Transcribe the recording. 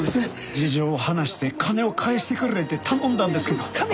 事情を話して金を返してくれって頼んだんですけど